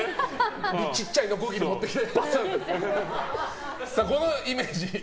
ちっちゃいノコギリ持ってきて。